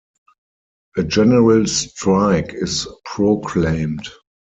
A general strike is proclaimed.